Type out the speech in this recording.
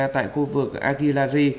tại khu vực aguilari